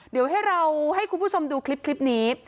เดี๋ยวให้เราให้คุณผู้ชมดูคลิปนี้